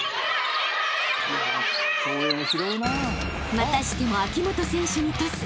［またしても秋本選手にトス］